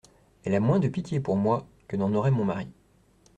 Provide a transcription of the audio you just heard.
Elle a moins de pitié pour moi que n'en aurait mon mari.